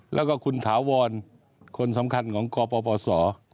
แล้วก็คุณถาวรคนสำคัญของกปปศ